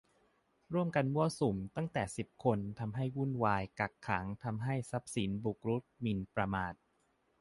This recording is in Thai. "ร่วมกันมั่วสุมตั้งแต่สิบคน ทำให้วุ่นวาย กักขัง ทำให้เสียทรัพย์ บุกรุก หมิ่นประมาท"